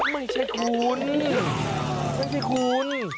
ไม่ใช่คุณไม่ใช่สิคุณ